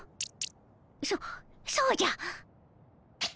そそうじゃ！